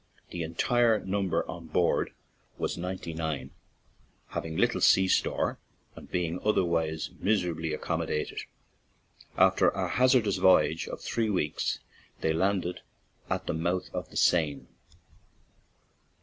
"The entire number on board was ninety nine, having little sea store, and being otherwise miser ably accommodated." After a hazardous voyage of three weeks, they landed at the mouth of the Seine.